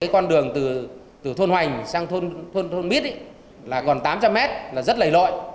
con đường từ thôn hoành sang thôn thôn mít là còn tám trăm linh mét là rất lầy lội